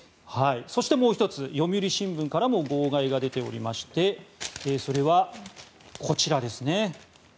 そして、もう１つ読売新聞からも号外が出ていましてそれは、こちらですね。